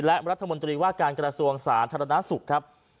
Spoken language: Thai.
และรัฐมนตรีว่าการกระทรวงสาธารณสุขครับ